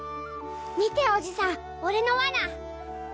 見ておじさん俺のワナ！